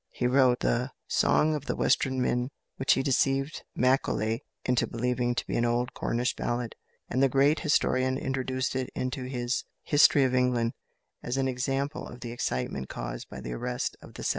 He wrote the "Song of the Western Men" which he deceived Macaulay into believing to be an old Cornish ballad, and the great historian introduced it into his "History of England" as an example of the excitement caused by the arrest of the seven bishops.